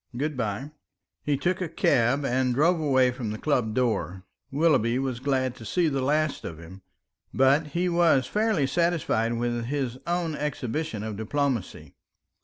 Good bye." He took a cab and drove away from the club door. Willoughby was glad to see the last of him, but he was fairly satisfied with his own exhibition of diplomacy.